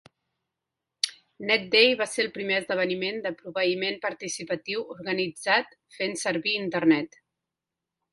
NetDay va ser el primer esdeveniment de proveïment participatiu organitzat fent servir Internet.